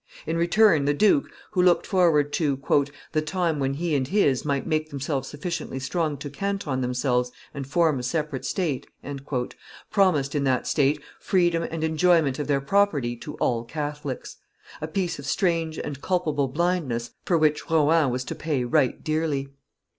In return the duke, who looked forward to "the time when he and his might make themselves sufficiently strong to canton themselves and form a separate state," promised, in that state, freedom and enjoyment of their property to all Catholics. A piece of strange and culpable blindness for which Rohan was to pay right dearly.